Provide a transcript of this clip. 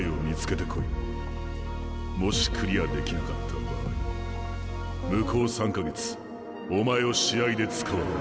もしクリアできなかった場合向こう３か月お前を試合で使わん。